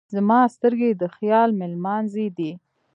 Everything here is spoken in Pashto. زما سترګې یې د خیال مېلمانځی دی.